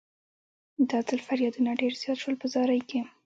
دا ځل فریادونه ډېر زیات شول په زارۍ کې.